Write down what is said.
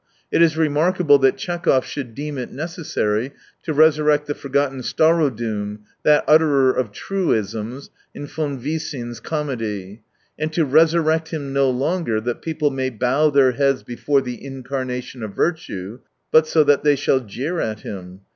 It is remarkable that Tchekhov should deem ' it necessary to resurrect the forgotten Staro doum, that utterer of truisms in Fon Visin's comedy ; and to resurrect him no longer that people may bow their heads before the incarnation' of virtue, but so that they shall jeer at him.